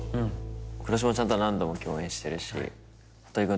黒島ちゃんとは何度も共演してるしはっ